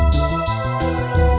masih di pasar